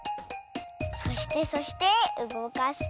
そしてそしてうごかすと。